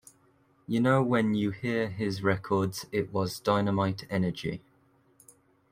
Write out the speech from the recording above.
You know when you hear his records it was dynamite energy.